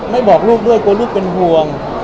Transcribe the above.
บอกลูกด้วยกลัวลูกเป็นห่วง